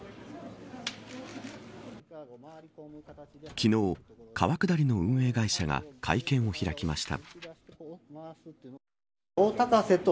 昨日、川下りの運営会社が会見を開きました。